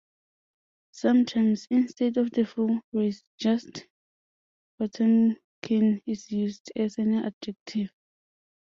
Sometimes, instead of the full phrase, just "Potemkin" is used, as an adjective.